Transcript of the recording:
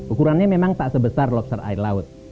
ukurannya memang tak sebesar lobster air laut